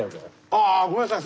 ああごめんなさい。